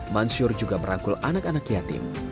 mas mansur juga merangkul anak anak yatim